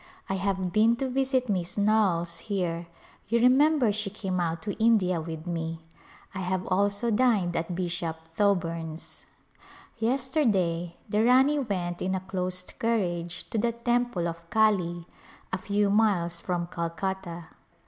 I have been to visit Miss Knowles here ; you remember she came out to India with me. I have also dined at Bishop Thoburn's. Yesterday the Rani went in a closed carriage to the temple of Kali, a few miles from Calcutta.